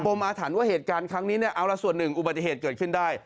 อาถรรพ์ว่าเหตุการณ์ครั้งนี้เนี่ยเอาละส่วนหนึ่งอุบัติเหตุเกิดขึ้นได้